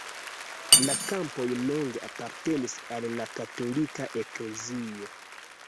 La kampoj longe apartenis al la katolika eklezio.